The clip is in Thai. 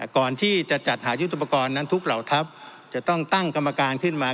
ก่อนที่จะจัดหายุทธปกรณ์นั้นทุกเหล่าทัพจะต้องตั้งกรรมการขึ้นมา